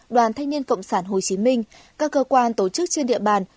đoàn thanh niên cộng sản hồ chí minh các cơ quan tổ chức trên địa bàn